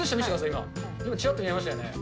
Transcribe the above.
今、ちらっと見えましたよね。